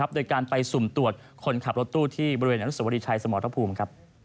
โดยการไปสุ่มตรวจคนขับรถตู้ที่บริเวณอนุสวรีชัยสมรภูมิ